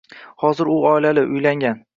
Hozir u oilali, uylangan.